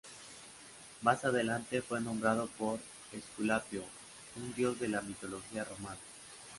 Más adelante fue nombrado por Esculapio, un dios de la mitología romana.